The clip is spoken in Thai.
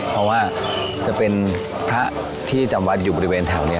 เพราะว่าจะเป็นพระที่จำวัดอยู่บริเวณแถวนี้